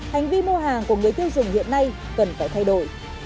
hành vi mua hàng của người tiêu dùng hiện nay cần phải thay đổi